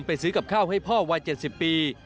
ซื้อกับข้าวให้พ่อวัย๗๐ปี